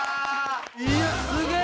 いやすげえ！